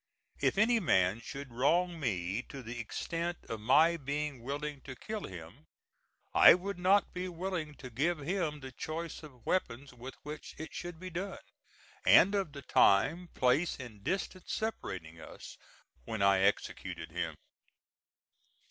If any man should wrong me to the extent of my being willing to kill him, I would not be willing to give him the choice of weapons with which it should be done, and of the time, place and distance separating us, when I executed him.